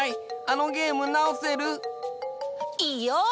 あのゲームなおせる？いいよ！